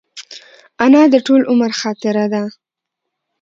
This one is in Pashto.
انا د ټول عمر خاطره ده